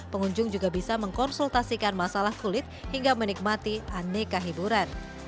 pengunjung juga bisa mengkonsultasikan masalah kulit hingga menikmati aneka hiburan